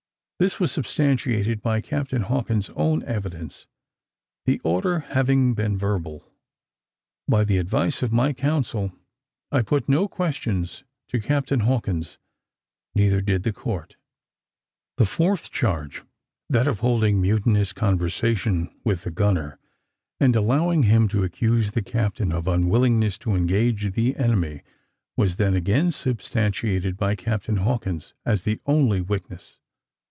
This was substantiated by Captain Hawkins' own evidence, the order having been verbal. By the advice of my counsel, I put no questions to Captain Hawkins; neither did the court. The fourth charge that of holding mutinous conversation with the gunner, and allowing him to accuse the captain of unwillingness to engage the enemy was then again substantiated by Captain Hawkins, as the only witness.